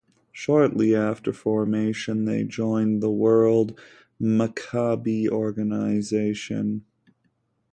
Shortly after formation, they joined the World Maccabi Organization.